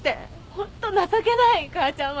ホント情けない母ちゃんは。